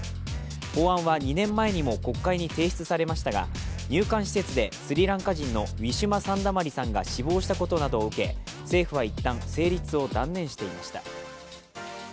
法案は２年前にも国会に提出されましたが、入管施設でスリランカ人のウィシュマ・サンダマリさんが死亡したことを受け政府は一旦、成立を断念していました。